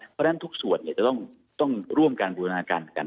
เพราะฉะนั้นทุกส่วนเนี่ยจะต้องต้องร่วมกันบูรณาการกัน